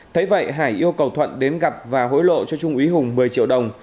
thấy vậy hải yêu cầu thuận đến gặp và hối lộ cho trung úy hùng một mươi triệu đồng